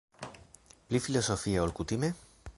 Pli filozofia ol kutime?